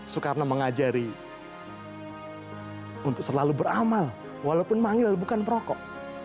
soekarno mengajari untuk selalu beramal walaupun mangil bukan merokok